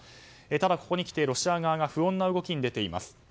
ただ、ここにきてウクライナ側が不穏な動きに出ています。